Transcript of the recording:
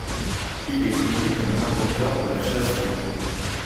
Il est connu comme l’inventeur de la chasse d'eau.